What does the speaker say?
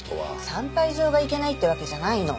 産廃場がいけないってわけじゃないの。